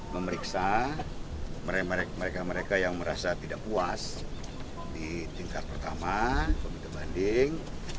memeriksa mereka mereka yang merasa tidak puas di tingkat pertama komite banding